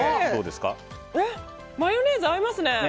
マヨネーズ合いますね！